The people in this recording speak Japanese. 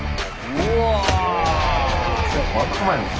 うわ。